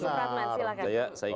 saya mau jelaskan